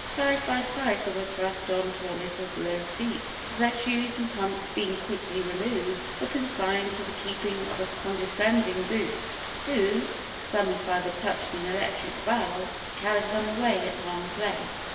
Side by side they were thrust on to a little low seat, and their shoes and pumps being quickly removed, were consigned to the keeping of a condescending boots, who, summoned by the touch of an electric bell, carried them away at arm's length.